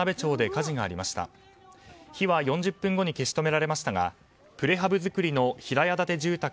火は４０分後に消し止められましたがプレハブ造りの平屋建て住宅